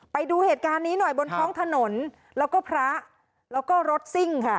ไปดูเหตุการณ์นี้หน่อยบนท้องถนนแล้วก็พระแล้วก็รถซิ่งค่ะ